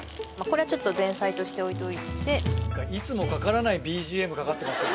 これちょっと前菜として置いておいていつもかからないＢＧＭかかってますよね